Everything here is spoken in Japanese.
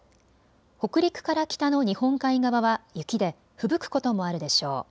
北陸から北の日本海側は雪でふぶくこともあるでしょう。